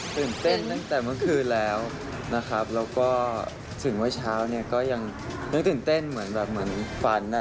ตื่นเต้นตั้งแต่เมื่อคืนแล้วนะครับแล้วก็ถึงว่าเช้าเนี่ยก็ยังตื่นเต้นเหมือนฝันนะ